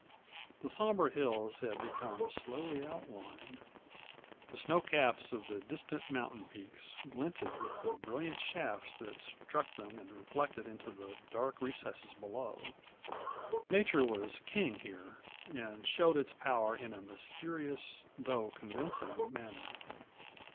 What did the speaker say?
The somber hills had become slowly outlined; the snow caps of the distant mountain peaks glinted with the brilliant shafts that struck them and reflected into the dark recesses below. Nature was king here and showed its power in a mysterious, though convincing manner.